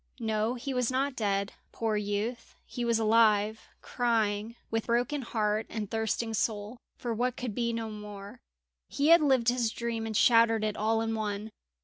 No, he was not dead, poor youth, he was alive, crying, with broken heart and thirsting soul, for what could be no more. He had lived his dream and shattered it all in one.